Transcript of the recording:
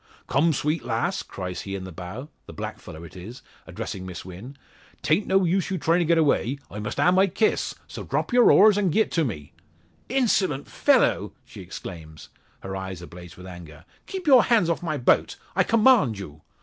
"Coom, sweet lass!" cries he in the bow the black fellow it is addressing Miss Wynn. "'Tain't no use you tryin' to get away. I must ha' my kiss. So drop yer oars, and ge'et to me!" "Insolent fellow!" she exclaims, her eyes ablaze with anger. "Keep your hands off my boat. I command you!"